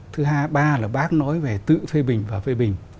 thứ hai ba là bác nói về tự phê bình và phê bình